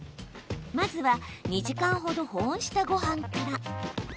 まずは２時間ほど保温したごはんから。